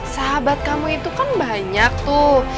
sahabat kamu itu kan banyak tuh